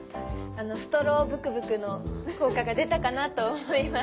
あのストローぶくぶくの効果が出たかなと思います。